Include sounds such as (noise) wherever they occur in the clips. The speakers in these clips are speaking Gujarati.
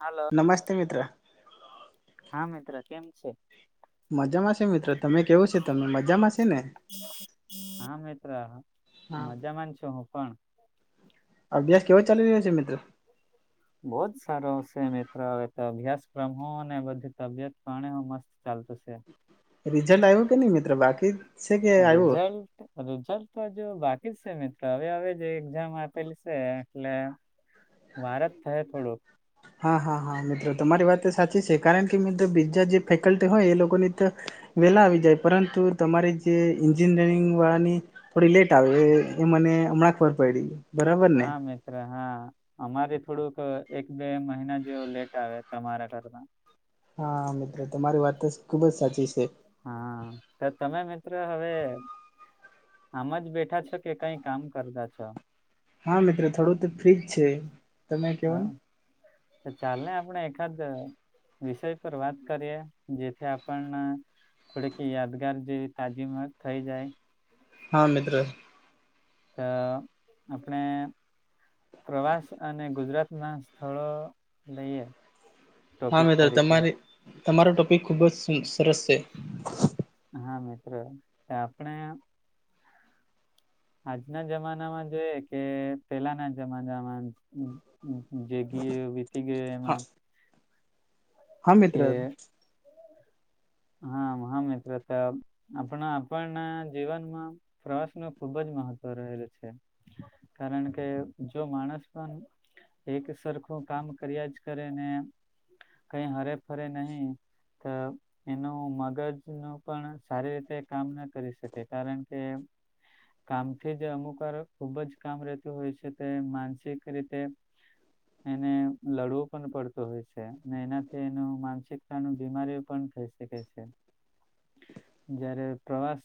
હાલો નમસ્તે મિત્ર. હા મિત્ર કેમ છો. મજામાં છે મિત્રો તમે કેવું છે તમે મજામાં છે ને. હા મિત્ર મજામાંન છું હું પણ અભ્યાસ કેવો ચાલી રહ્યો છે મિત્ર. બહુ જ સારો આવશે મિત્રો હવે તો અભ્યાસક્રમ હો અને બધી તબિયત પાણે હો મસ્ત ચાલતુ છે. રિઝલ્ટ આવ્યું કે નહી મિત્ર બાકી. છે કે આવ્યું રિઝલ્ટ. રિઝલ્ટ તો હજુ બાકી જ છે મિત્રો હવે હવે એક્ઝામ આપેલી છે એટલે. વાર જ થાય થોડો. હા હા હા મિત્રો તમારી વાત સાચી છે કારણ કે મિત્ર બીજા જે ફેકલ્ટી હોય એ લોકોની તો. વેલા આવી જાય પરંતુ. તમારી જે એન્જિનિયરિંગ વાળાની થોડી લેટ આવે એ મને હમણાં ખબર પડી. બરાબર ને હા મે હા અમારે થોડુંક એક બે મહિના જે લેટ આવે તમારા ઘરમાં. હા મિત્રો તમારી વાત તો ખુબ જ સાચી છે. હા તો તમે મિત્રો હવે. આમ જ બેઠા છ કે કઈ કામ કરતા છો. હા મિત્રો થોડું તો ફ્રીજ છે. તમે કેવો હા ને ચાલેને આપણે એકાદ વિષય પર વાત કરીએ જેથી આપણે થોડીક યાદગાર જેવી તાજીમાં થઈ જાય. હા મિત્ર. તો આપણે. પ્રવાસ અને ગુજરાત ના સ્થળો લઈએ. હા ટોપિક મ્ર તરીકે તમારી તમારો ટોપિક ખુબ જ સરસ છે. હા મિત્રો આપણે. આજના જમાનામાં જોઈએ કે પેલાના જમાનામાં. જેગી વીતી ગ ઈ હા એમાં. હા મિત્ર. કે હા હા મિત્રો તો આપણા આપણે જીવનમાં પ્રવાસ નુ ખુબ જ મહત્વ રહેલું છે. કારણ કે જો માણસ પણ એક સરખું કામ કર્યા જ કરે ને. કઈ હરે ફરે નહી તો. એનું મગજ નુ પણ સારી રીતે કામ ના કરી શકે કારણ કે. કામથી જે અમુક વાર ખૂબ જ કામ રહેતું હોય છે તે માનસિક રીતે એને લડવું પણ પડતું હોય છે એનાથી એનું માનસિકતા નુ બીમારી પણ થઇ. જ્યારે પ્રવાસ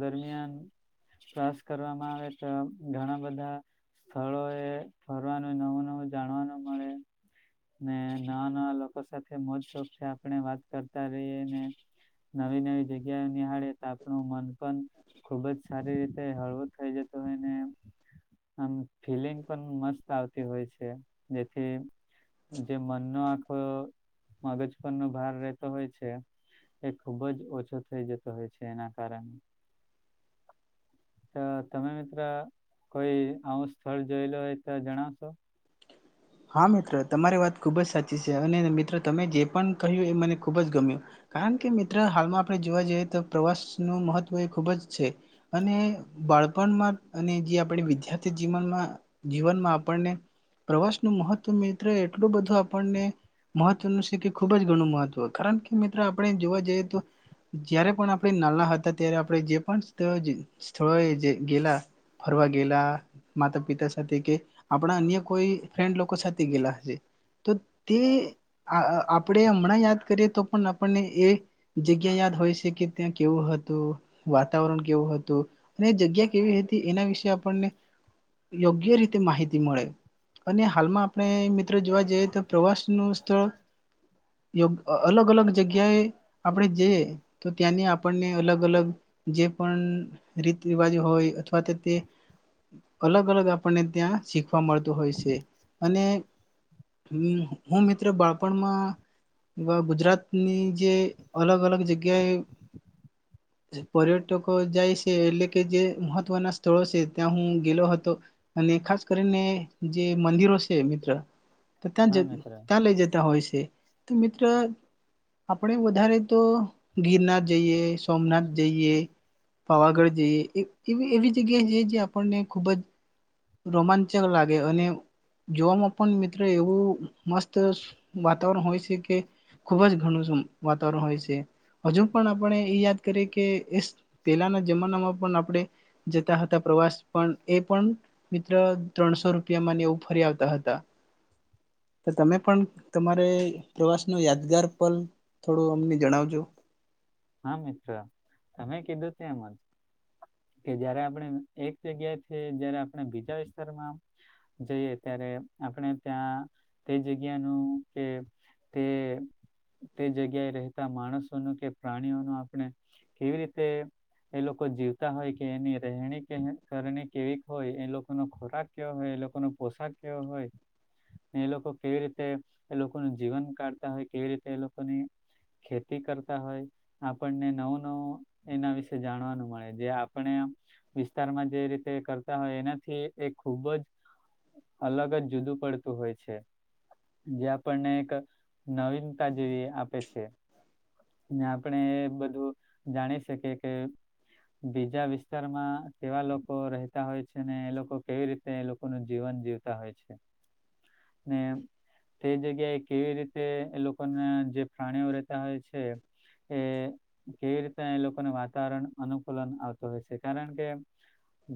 દરમિયાન બસ કરવામાં આવે તો ઘણા બધા. સ્થળો એ ફરવાનું નવું નવું જાણવાનું મળે‌ ને નવા નવા લોકો સાથે મોજ શોક થી આપણે વાત કરતા રહીએ ને. નવી નવી જગ્યા નિહાળે તો આપણું મન પણ ખુબ જ સારી રીતે હળવો થઈ જતુ હોય ને. આમ ફીલિંગ પણ મસ્ત આવતી હોય છે જેથી જે મનનો આખો મગજ પરનો ભાર રતો હોય છે એ ખુબ જ ઓછો થઈ જતો હોય છે એના કારણે (unintelligible) તો તમે મિત્ર કોઈ આવું સ્થળ જોયેલ હોય તો જણાવશો. હા મિત્ર તમારી વાત ખુબ જ સાચી છે અને મિત્રો તમે જે પણ કહ્યું એ મને ખુબ જ ગમ્યું. કારણ કે મિત્ર હાલમાં આપણે જોવા જઈએ તો પ્રવાસ નુ મહત્વ એ ખૂબ જ છે. અને બાળપણમાં અને જે આપણે વિદ્યાર્થી જીવનમાં જીવનમાં આપણને પ્રવાસનું મહત્વ મિત્ર એટલું બધું આપણને મહત્વનું છે કે ખૂબ જ ઘણું મહત્વ કારણ કે મિત્રો આપણે જોવા જઈએ તો જયારે પણ આપણે નાના હતા ત્યારે આપણે જે પણ સ્થળોએ ગેલા ફરવા ગેલા માતા પિતા સાથે કે આપણા અન્ય કોઈ ફ્રેન્ડ લોકો સાથે ગેલા હશે તો તે આ આપણેે હમણાં યાદ કરીએ તો પણ આપણને એ જગ્યા યાદ હોય છે. કે ત્યાં કેવું હતું વાતાવરણ કેવું હતું. અને જગ્યા કેવી હતી એના વિશે આપણને યોગ્ય રીતે માહિતી મળે. અને હાલમાં આપણે મિત્રો જોવા જઈએ તો પ્રવાસ નું સ્થળ અલગ અલગ જગ્યાએ આપણેે જે તો ત્યાંની આપણને અલગ અલગ જે પણ રીત રિવાજ હોય અથવા તો તે અલગ અલગ આપણને ત્યાં શીખવા મળતું હોય છે અને હ હું મિત્ર બાળપણમાં એવા ગુજરાતની જે અલગ અલગ જગ્યાએ (unintelligible) પર્યટકો જાય છે એટલે કે જે મહત્વના સ્થળો છે ત્યાં હું ગેલો હતો. અને ખાસ કરીને જે મંદિરો છે મિત્ર તો ત્યાં જ હા મિત્ર ત્યાં લઈ જતા હોય છે. તો મિત્ર આપણે વધારે તો ગીરનાથ જઈએ સોમનાથ જઈએ. પાવાગઢ જઈએ એવી એવી જગ્યા છે જે આપણને ખુબ જ રોમાચક લાગે અને જોવામાં પણ મિત્ર એવું મસ્ત વાતાવરણ હોય છે કે ખુબ જ ઘણું વાતાવરણ હોય છે હજુ પણ આપણે એ યાદ કરીએ કે પેલાના જમાનામાં પણ આપણે જતા હતા પ્રવાસ પણ એ પણ મિત્ર ત્રણસો રૂપિયામાં ને એવું ફરી આવતા હતા. તો તમે પણ તમારે પ્રવાસ નો યાદગાર પલ થોડું અમને જણાવજો. હા મિત્ર તમે કીધું છે એમજ કે જયારે આપણે એક જગ્યાથી જયારે આપણે બીજા વિસ્તારમાં જઈએ ત્યારે આપણે ત્યાં તે જગ્યાનું કે તે તે જગ્યાએ રહેતા માણસોનું કે પ્રાણીઓનું આપણે કેવી રીતે એ લોકો જીવતા હોય કે એની રહેણી કર કેવી હોય એ લોકોનો ખોરાક કયો હોય એ લોકો ન પોશાક કેવ હોય. એ લોકો કેવી રીતે એ લોકોનું જીવન કાઢતા હોય કેવી રીતે એ લોકોની ખેતી કરતા હોય. આપણને નવું નવું એના વિશે જાણવાનું મળે જે આપણે વિસ્તારમાં જે રીતે કરતા હોય એનાથી એ ખૂબ જ અલગ જ જુદું પડતું હોય છે. જે આપણને એક નવીનતાજેવી આપે છે. આપણે એ બધું જાણી શકીએ કે બીજા વિસ્તારમાં કેવા લોકો રહેતા હોય છે ને એ લોકો કેવી રીતે તે એ લોકોનું જીવન જીવતા હોય છે ને- તે જગ્યાએ કેવી રીતે એ લોકોના જે પ્રાણીઓ રહેતા હોય છે. એ કેવી રીતેના એ લોકોને વાતાવરણ અનુકૂલન આવતું હોય છે કારણ કે-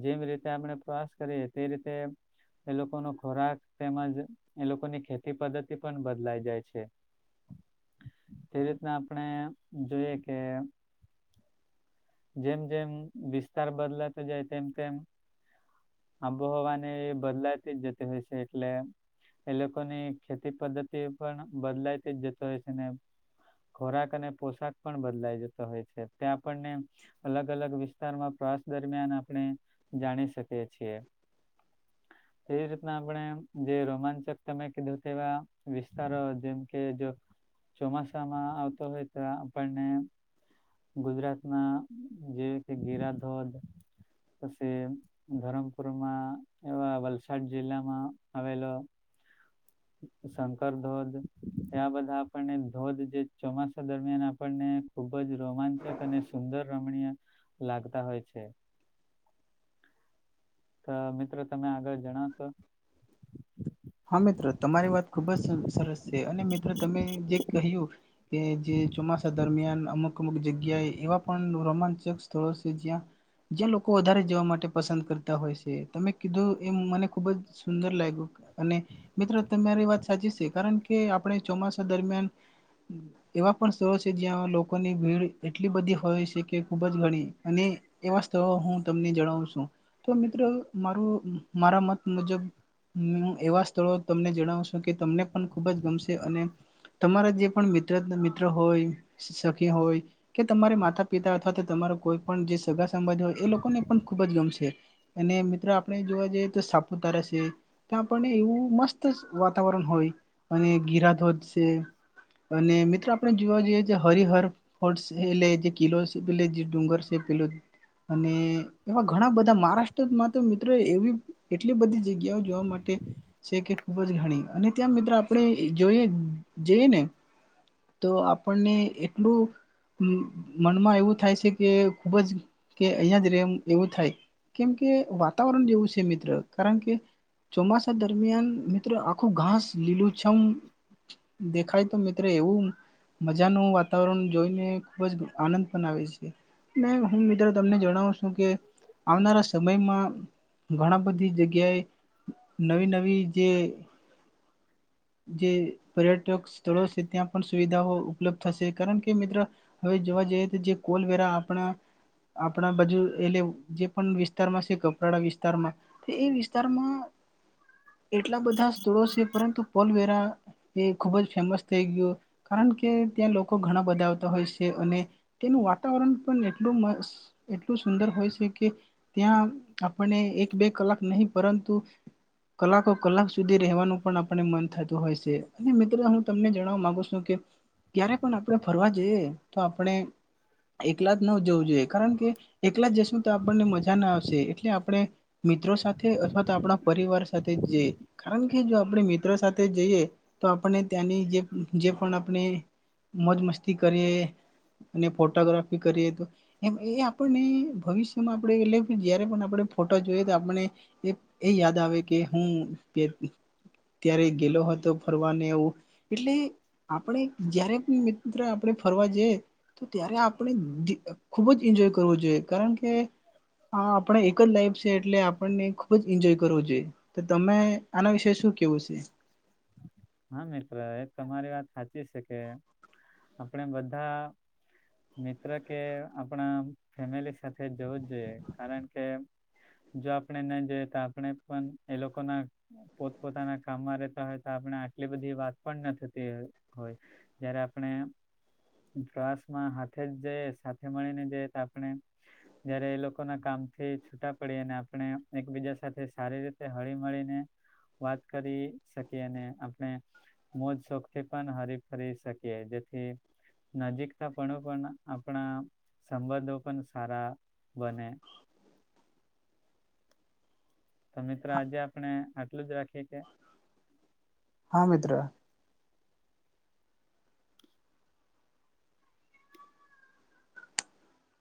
જેમ રીતે આપણે પ્રવાસ કરીએ તે રીતે- એ લોકોનો ખોરાક તેમજ એ લોકોની ખેતી પદ્ધતિ પણ બદલાઈ જાય છે. તે રીતના આપણે જોઈએ કે જેમ જેમ વિસ્તાર બદલાતો જાય તેમ તેમ આબોહવાને એ બદલાતી જ જતી હોય છે. એટલે એ લોકોની ખેતી પદ્ધતિ પણ બદલાયતી જ જતો હોય છે ને ખોરાક અને પોશાક પણ બદલાઈ જતો હોય છે તે્યા આપણને અલગ અલગ વિસ્તારમાં પ્રવાસ દરમિયાન આપણે જાણી શકીએ છીએ (inaudible) એવી રીતના આપણે જે રોમાંચક તમે કીધું તેવા વિસ્તારો જેમ કે જો ચોમાસામાં આવતો હોય તો આપણને ગુજરાતમાં જેવી કે ગેરાધોધ પછી ધરમપુરમાં એવા વલસાડ જિલ્લામાં આવેલો શંકર ધોધ એ બધા આપણને ધોધ જે ચોમાસા દરમિયાન આપણને ખુબ જ રોમાંચક અને સુંદર રમણીય લાગતા હો છે. તો મિત્રો તમે આગળ જણાવશો. હા મિત્રો તમારી વાત ખુબ જ સરસ છે અને મિત્ર તમે જે કહ્યું- કે જે ચોમાસા દરમિયાન અમુક અમુક જગ્યાએ એવા પણ રોમાંચક તળસી જ્યાં જે લોકો વધારે જવા માટે પસંદ કરતા હોય છે તમે કીધું એ મને ખુબ જ સુંદર લાગ્યું અને મિત્રો તમારી વાત સાચી છે કારણ કે કે આપણે ચોમાસા દરમિયાન એવા પણ સ્થળો છે જ્યાં લોકોની ભીડ એટલી બધી હોય છે કે ખુબ જ ગણી અને એવા સ્થળો હું તમને જણાવ છું. તો મિત્રો મારું મારા મત મુજબ એવા સ્થળો તમને જણાવશો કે તમને પણ ખૂબ જ ગમશે. અને તમારા જે પણ મિત્ર મિત્ર હોય- સખી હોય કે તમારે માતા પિતા અથવા તો તમારો કોઈ પણ જે સગા સંંબાજ હોય એ લોકોને પણ ખૂબ જ ગમશે અને મિત્રો આપણે જોવા જઈએ તો સાપુતારા છે. પણ એવું મસ્ત વાતાવરણ હોય અને ગિરાધોજ છે. અને મિત્રો આપણે જોવા જઈએ હરિહર ફ એલે જે કિલો પે જે ડુંગર છે પેલો અને એવા ઘણા બધા મહારાષ્ટ્રમાં તો મિત્રો એવી. એટલી બધી જગ્યાઓ જોવા માટે. છે કે ખૂબ જ ઘણી અને ત્યાં મિત્રો આપણે જોઈએ જઈએ ને તો આપણને એટલું. મનમાં એવું થાય છે કે ખુબ જ કે અહિયાં જ રેમ એવું થાય. કેમ કે વાતાવરણ જેવું છે મિત્ર કારણ કે ચોમાસા દરમિયાન મિત્રો આખું ઘાસ લીલું છમ દેખાય તો મિત્ર એવું મજાનું વાતાવરણ જોઈને ખુબ જ આનંદ પણ આવે છે. હું મિત્રો તમને જણાવું છું કે આવનારા સમયમાં ઘણા બધી જગ્યાએ નવી નવી જે (inaudible) જે પર્યટક સ્થળો છે ત્યાં પણ સુવિધાઓ ઉપલબ્ધ થશે કારણ કે મિત્ર હવે જોવા જઈએ તો જે કોલવેરા આપણા આપણા બાજુ એટલે જે પણ વિસ્તારમાં છે. કપરાડા વિસ્તારમાં એ વિસ્તારમાં એટલા બધા સ્થળો છે પરંતુ પોલવેરા એ ખૂબ જ ફેમસ થઈ ગયું કારણ કે ત્યાં લોકો ઘણા બધા આવતા હોય છે. અને તેનું વાતાવરણ પણ એટલું એટલું સુંદર હોય છે. કે ત્યાં આપને એક બે કલાક નહી પરંતુ કલાકો કલાક સુધી રહેવાનું પણ આપને મન થતું હોય છે અને મિત્રો હું તમને જણવા માંગુ છું કે ક્યારે પણ આપણે ફરવા જઈએ તો આપણે એકલા જ ન જોવું કારણ કે એકલા દસું તો આપણને મજા ના આવશે એટલે આપણે મિત્રો સાથે અથવા તો આપણા પરિવાર સાથે જ જઈએ કારણ કે જો આપણે મિત્રો સાથે જઈએ તો આપને ત્યાંની જે જે પણ આપણે મોજ મસ્તી કરીએ અને ફોટોગ્રાફી કરીએ તો એમ એ આપણને ભવિષ્યમાં આપણેે એટ જયારે પણ આપણે ફોટા જોઈએ તો આપણે. એ યાદ આવે કે હું ત્યારે ગેલો હતો ફરવાને એવું એટલે. આપણે જયારે પણ મિત્ર આપણે ફરવા જઈએ. તો ત્યારે આપણે ખુબ જ એન્જોય કરવો જોઈએ કારણ કે હા આપણા એક જ લાઈફ છે એટલે આપણને ખુબ જ એન્જોય કરવો જોઈએ. તો તમે આના વિશે શું કેવું છે. હા મિત્ર એ તમારી વાત સાચી છે કે આપણે બધા. મિત્ર કે આપણા ફેમિલી સાથે જવું જ જોઈએ કારણ કે જો આપણે નહી જઈએ તો આપણે પણ એ લોકો ના પોત પોતાના કામમાં રહેતા હોય તો આપણે. એટલી બધી વાત પણ ન થતી હોય જયારે આપણે. ક્લાસમાં હાથે જઈ સાથે મળીને જઈએ તો આપણે. જયારે એ લોકોના કામથી છૂટા પડી અને આપણે એકબીજા સાથે સારી રીતે હળી મળીને વાત કરી શકીએને આપ ને મોજ શોખથી પણ હરીફરી શકીએ જેથી નજીકતા પણ પણ આપણા સંબંધો પણ સારા બને. તો મિત્ર આજે આપણે આટલું જ રાખીએ કે હા મિત્ર.